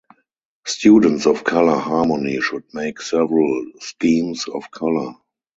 Students of color harmony should make several schemes of color.